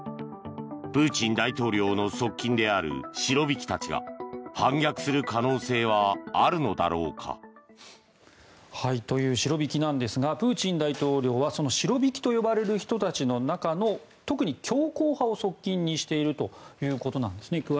プーチン大統領の側近であるシロビキたちが反逆する可能性はあるのだろうか。というシロビキなんですがプーチン大統領はそのシロビキと呼ばれる人たちの中の特に強硬派を側近にしているということなんですね。